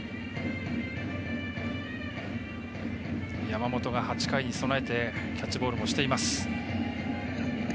山本が８回に備えてキャッチボールもしています。